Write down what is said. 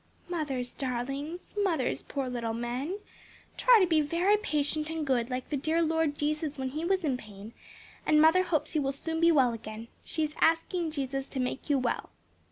"Mother's darlings! mother's poor little men! Try to be very patient and good like the dear Lord Jesus when he was in pain, and mother hopes you will soon be well again. She is asking Jesus to make you well."